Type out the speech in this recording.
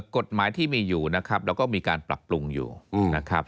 กฎหมายที่มีอยู่นะครับเราก็มีการปรับปรุงอยู่นะครับ